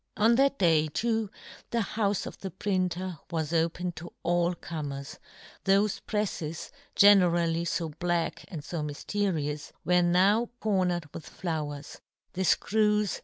On that day, too, the houfe of the printer was open to all comers ; thofe prefles, generally fo black and fo myfterious, were now crowned with flowers; the fcrews.